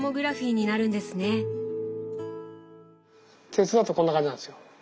鉄だとこんな感じなんですよ。